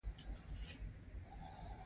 غلط فهمۍ د نه مطالعې له امله دي.